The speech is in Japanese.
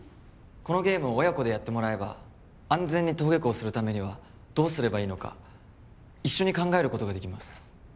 このゲームを親子でやってもらえば安全に登下校するためにはどうすればいいのか一緒に考えることができます